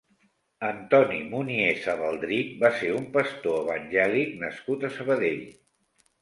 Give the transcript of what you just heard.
Antoni Muniesa Baldrich va ser un pastor evangèlic nascut a Sabadell.